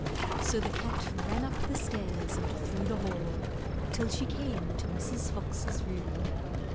So the cat ran up the stairs and through the hall till she came to Mrs. Fox's room.